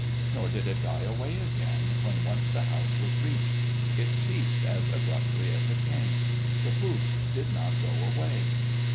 Nor did it die away again when once the house was reached. It ceased as abruptly as it came. The hoofs did not go away.